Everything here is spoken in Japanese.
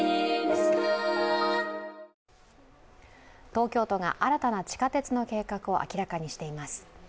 東京都が新たな地下鉄の計画を明らかにしています。